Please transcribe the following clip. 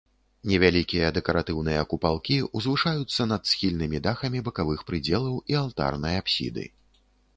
Невялікія дэкаратыўныя купалкі ўзвышаюцца над схільнымі дахамі бакавых прыдзелаў і алтарнай апсіды.